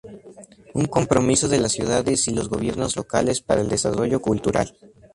Un compromiso de las ciudades y los gobiernos locales para el desarrollo cultural.